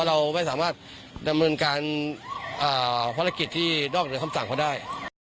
เราไม่สามารถดำเนินการภารกิจที่นอกเหนือคำสั่งเขาได้